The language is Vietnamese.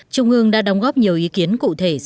trung ương đã đóng góp nhiều ý kiến cụ thể